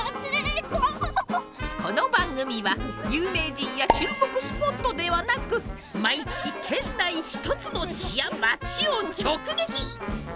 この番組は有名人や注目スポットではなく毎月県内ひとつの市や町を直撃。